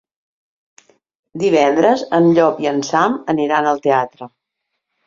Divendres en Llop i en Sam aniran al teatre.